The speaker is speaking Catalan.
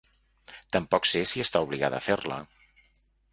Tampoc sé si està obligada a fer-la.